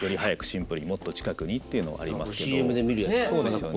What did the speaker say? ＣＭで見るやつですね